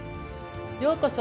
ようこそ！